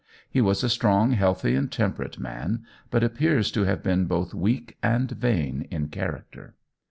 He was a strong, healthy, and temperate man, but appears to have been both weak and vain in character.